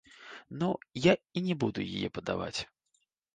Ну, я і не буду яе падаваць!